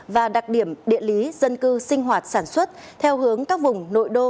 và đặc điểm địa lý dân cư sinh hoạt sản xuất theo hướng các vùng nội đô